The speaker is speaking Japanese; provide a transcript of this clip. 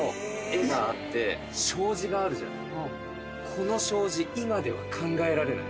この障子今では考えられない。